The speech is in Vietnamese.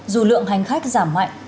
dù lượng hành khách giảm mạnh